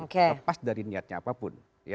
lepas dari niatnya apapun